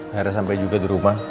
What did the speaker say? akhirnya sampai juga di rumah